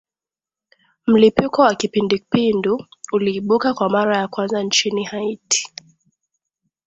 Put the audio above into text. mlipuko wa kipindupindu uliimbuka kwa mara ya kwanza nchini haiti